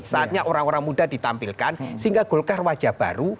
saatnya orang orang muda ditampilkan sehingga golkar wajah baru